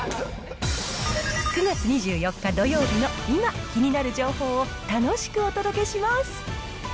９月２４日土曜日の今、気になる情報を楽しくお届けします。